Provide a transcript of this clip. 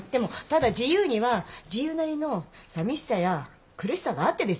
ただ自由には自由なりのさみしさや苦しさがあってですよ